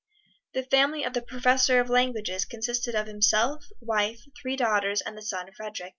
The family of the Professor of Languages consisted of himself, wife, three daughters and the son Frederic.